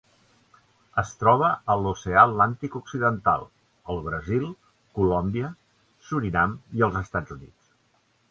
Es troba a l'Oceà Atlàntic occidental: el Brasil, Colòmbia, Surinam i els Estats Units.